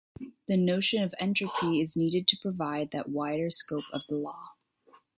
The notion of entropy is needed to provide that wider scope of the law.